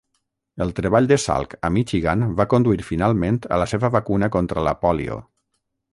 El treball de Salk a Michigan va conduir finalment a la seva vacuna contra la pòlio.